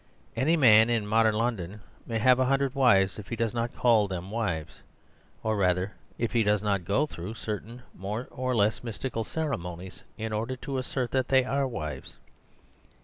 Any man in modern London may have a hundred wives if he does not call them wives; or rather, if he does not go through certain more or less mystical ceremo nies in order to assert that they are wives.